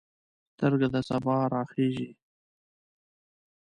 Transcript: سترګه د سبا راخیژې